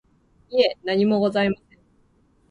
いえ、何もございません。